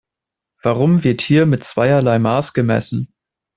Warum wird hier mit zweierlei Maß gemessen?